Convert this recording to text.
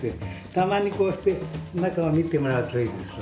たまにこうして中を見てもらうといいですわ。